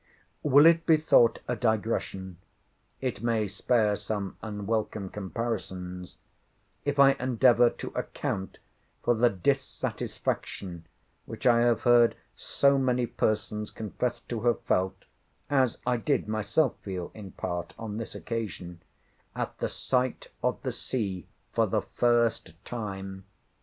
Will it be thought a digression (it may spare some unwelcome comparisons), if I endeavour to account for the dissatisfaction which I have heard so many persons confess to have felt (as I did myself feel in part on this occasion), at the sight of the sea for the first time?